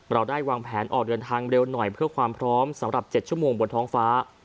เราได้วางแผนออกเดินทางเร็วหน่อยเพื่อความพร้อมสำหรับ๗ชั่วโมงบนท้องฟ้า